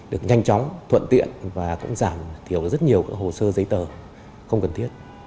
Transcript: được nhanh chóng thuận tiện và cũng giảm thiểu rất nhiều hồ sơ giấy tờ không cần thiết